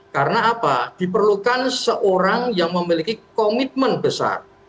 karena apa diperlukan seorang yang memiliki komitmen besar